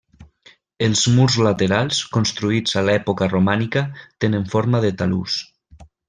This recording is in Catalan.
Els murs laterals, construïts a l'època romànica, tenen forma de talús.